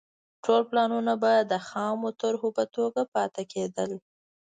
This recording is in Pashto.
ټول پلانونه به د خامو طرحو په توګه پاتې کېدل.